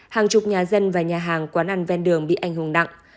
hàng chục nhà dân và nhà hàng quán ăn ven đường bị anh hùng nặng